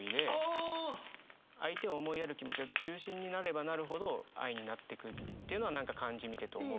相手を思いやる気持ちが中心になればなるほど「愛」になってくというのは何か漢字見てて思うことですね。